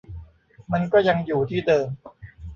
มันก็ยังอยู่ที่เดิม